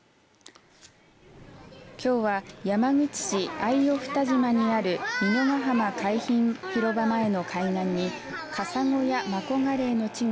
きょうは山口市秋穂二島にある美濃ヶ浜海浜広場前の海岸にカサゴやマコガレイの稚魚